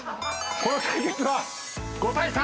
この対決は５対３。